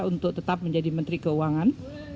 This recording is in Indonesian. untuk tetap menjadi menteri keuangan